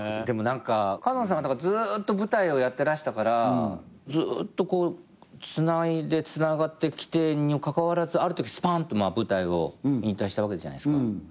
でも何か角野さんはずっと舞台をやってらしたからずっとつないでつながってきたにもかかわらずあるときスパンと舞台を引退したわけじゃないですか。